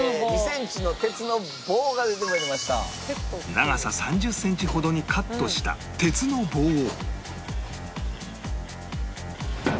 長さ３０センチほどにカットした鉄の棒を